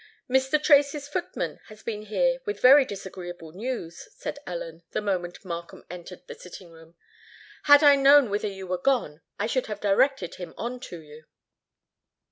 "Mr. Tracy's footman has been here with very disagreeable news," said Ellen, the moment Markham entered the sitting room. "Had I known whither you were gone, I should have directed him on to you."